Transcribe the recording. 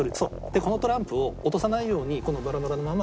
このトランプを落とさないようにこのバラバラのまま。